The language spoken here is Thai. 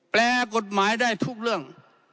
แปลกฎหมายได้ทุกเรื่อง